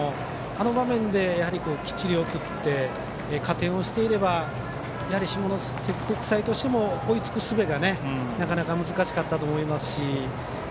あの場面で、きっちり送って加点をしていればやはり下関国際としても追いつくすべがなかなか難しかったと思いますし。